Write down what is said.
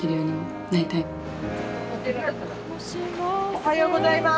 おはようございます。